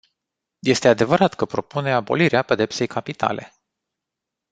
Este adevărat că propune abolirea pedepsei capitale.